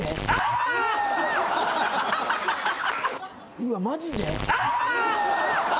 うわマジで？